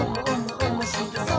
おもしろそう！」